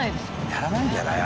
やらないんじゃない？